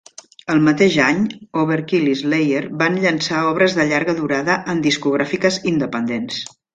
El mateix any, Overkill i Slayer van llançar obres de llarga durada en discogràfiques independents.